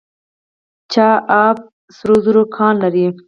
چاه اب سرو زرو کان لري؟